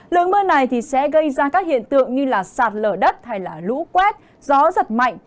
lượng mưa này sẽ gây ra các hiện tượng như sạt lở đất lũ quét gió giật mạnh